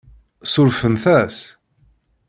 Surfent-as?